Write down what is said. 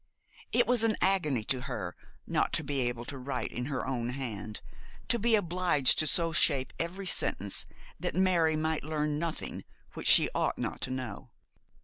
It was an agony to her not to be able to write with her own hand, to be obliged to so shape every sentence that Mary might learn nothing which she ought not to know.